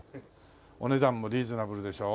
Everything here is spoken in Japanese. お値段もリーズナブルでしょ？